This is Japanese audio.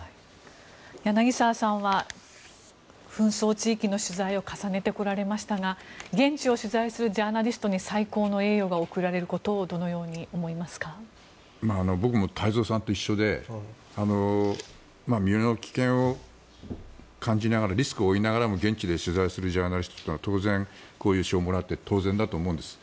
柳澤さんは紛争地域の取材を重ねてこられましたが現地を取材するジャーナリストに最高の栄誉が贈られることを僕も太蔵さんと一緒で身の危険を感じながらリスクを負いながらも現地で取材をするジャーナリストというのはこういう賞をもらって当然だと思うんです。